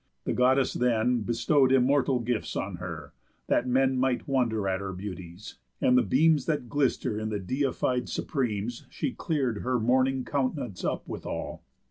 The Goddess then Bestow'd immortal gifts on her, that men Might wonder at her beauties; and the beams That glister in the Deified Supremes She clear'd her mourning count'nance up withall.